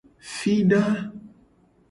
Fida.